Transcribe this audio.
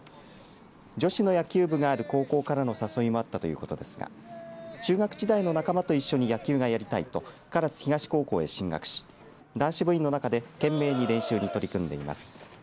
女子の野球部がある高校からの誘いもあったということですが中学時代の仲間と一緒に野球がやりたいと唐津東高校へ進学し男子部員の中で懸命に練習に取り組んでいます。